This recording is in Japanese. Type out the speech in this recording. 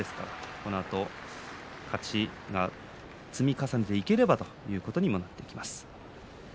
このあと勝ちが積み重ねていけばということにはなっていきます。